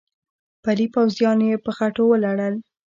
پلي پوځیان يې په خټو ولړل.